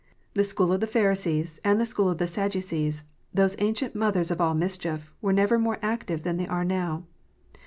The school of the Pharisees, and the school of the Sadducees, those ancient mothers of all mischief, were never more active than they are now.